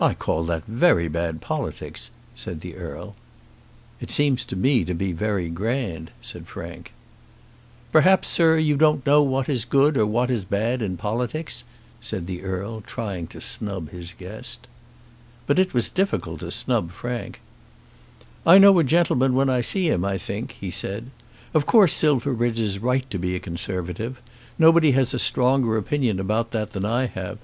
"I call that very bad politics," said the Earl. "It seems to me to be very grand," said Frank. "Perhaps, sir, you don't know what is good or what is bad in politics," said the Earl, trying to snub his guest. But it was difficult to snub Frank. "I know a gentleman when I see him, I think," he said. "Of course Silverbridge is right to be a Conservative. Nobody has a stronger opinion about that than I have.